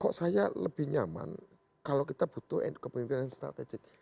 kok saya lebih nyaman kalau kita butuh kepemimpinan strategik